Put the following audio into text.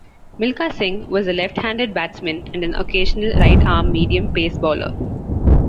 Milkha Singh was a left-handed batsman and an occasional right arm medium pace bowler.